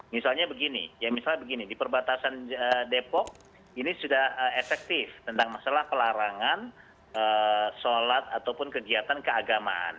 misalnya begini ya misalnya begini di perbatasan depok ini sudah efektif tentang masalah pelarangan sholat ataupun kegiatan keagamaan